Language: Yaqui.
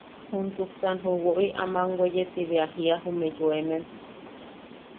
Juntuksan ju woʼi aman weye ti bea jiia jume yoemem: